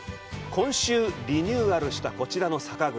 今週リニューアルした、こちらの酒蔵。